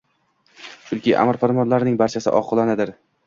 chunki amr farmonlarimning barchasi oqilonadir.